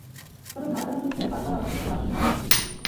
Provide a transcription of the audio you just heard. তবে ঝাল চানাচুর খেয়ে কারও কারও অবস্থা ছিল আসলেই দেখার মতো।